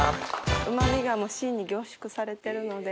うまみが芯に凝縮されてるので。